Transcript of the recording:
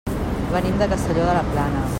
Venim de Castelló de la Plana.